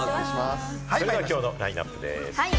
それでは今日のラインナップです。